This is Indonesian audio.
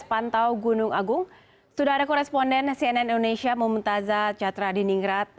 pantau gunung agung sudah ada koresponden cnn indonesia mumtazah catra di ningrat